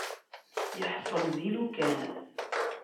Iḥṣel di lukan.